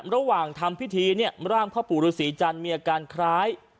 ระหว่างทำพิธีเนี่ยร่างพ่อปู่ฤษีจันทร์มีอาการคล้าย